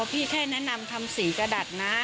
พี่แค่แนะนำทำสีกระดัดนะ